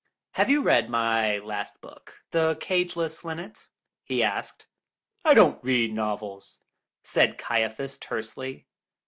"Have you read my last book, The Cageless Linnet?" he asked. "I don't read novels," said Caiaphas tersely.